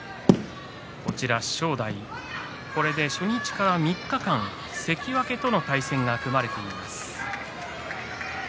正代は、初日から３日間関脇との対戦が組まれています。